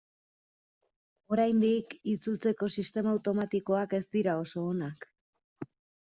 Oraindik itzultzeko sistema automatikoak ez dira oso onak.